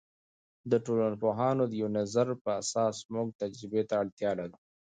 د ټولنپوهانو د یوه نظر په اساس موږ تجربې ته اړتیا لرو.